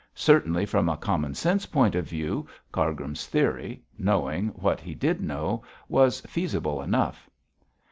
Certainly, from a commonsense point of view, Cargrim's theory, knowing what he did know, was feasible enough.